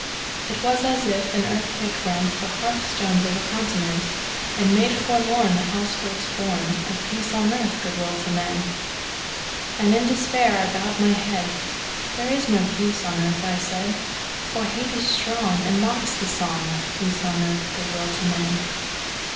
It was as if an earthquake rent The hearth stones of a continent, And made forlorn The households born Of peace on earth, good will to men! And in despair I bowed my head; "There is no peace on earth," I said: "For hate is strong, And mocks the song Of peace on earth, good will to men!"